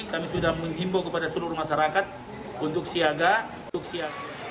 kami sudah menghimbau kepada seluruh masyarakat untuk siaga